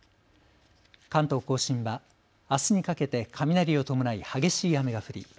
関東甲信はあすにかけて雷を伴い激しい雨が降り